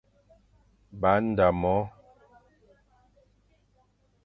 Ba nda mo,